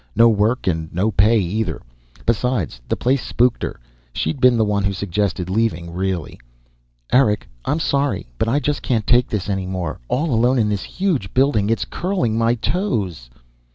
No work, and no pay, either. Besides, the place spooked her. She'd been the one who suggested leaving, really. "Eric, I'm sorry, but I just can't take this any more. All alone in this huge building it's curling my toes!"